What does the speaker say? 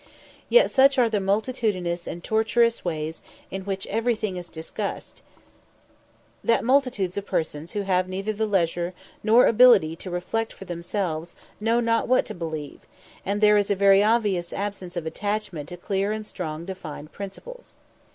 Yet such are the multitudinous and tortuous ways in which everything is discussed, that multitudes of persons who have neither the leisure nor ability to reflect for themselves know not what to believe, and there is a very obvious absence of attachment to clear and strongly defined principles.